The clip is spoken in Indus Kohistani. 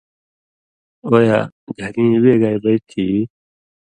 ”او یا! گھرِیں وے گائ بئ تھی یی؟“